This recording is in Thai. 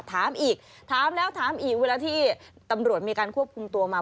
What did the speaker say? ถามอีกถามแล้วถามอีกเวลาที่ตำรวจมีการควบคุมตัวมา